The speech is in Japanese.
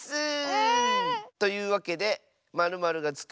うん！というわけで○○がつく